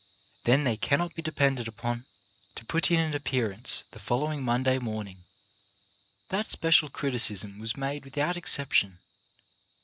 Then they cannot be de pended upon to put in an appearance the following Monday morning. That special criticism was made without ex ception.